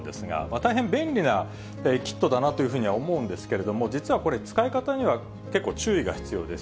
大変、便利なキットだなっていうふうに思うんですけど、実はこれ、使い方には結構、注意が必要です。